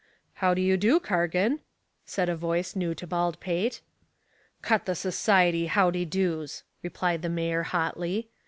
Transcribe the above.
"How do you do, Cargan," said a voice new to Baldpate. "Cut the society howdydoes," replied the mayor hotly.